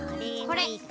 これ！